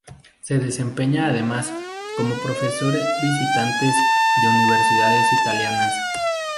Se desempeña, además, como Profesor visitantes de Universidades italianas.